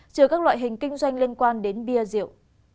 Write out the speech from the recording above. trừ các loại hình kinh doanh liên quan đến bia rượu